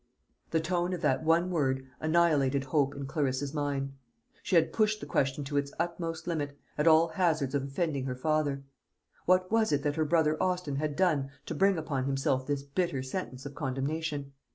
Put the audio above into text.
The tone of that one word annihilated hope in Clarissa's mind. She had pushed the question to its utmost limit, at all hazards of offending her father. What was it that her brother Austin had done to bring upon himself this bitter sentence of condemnation?